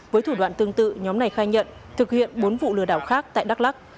với thủ đoạn tương tự nhóm này khai nhận thực hiện bốn vụ lừa đảo khác tại đắk lắc